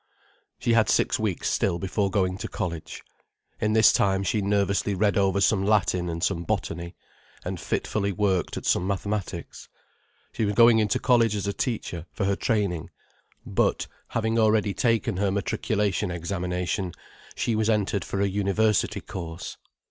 She had six weeks still before going to college. In this time she nervously read over some Latin and some botany, and fitfully worked at some mathematics. She was going into college as a teacher, for her training. But, having already taken her matriculation examination, she was entered for a university course.